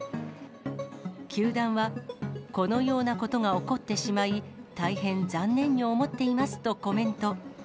球団は、このようなことが起こってしまい、大変残念に思っていますとコメント。